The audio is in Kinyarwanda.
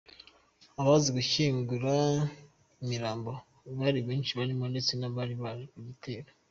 Abaje gushyingura imirambo bari benshi barimo ndetse n’abari baje mu gitero.